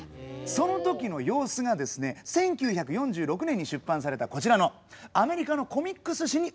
その時の様子が１９４６年に出版されたこちらのアメリカのコミックス誌に収められています。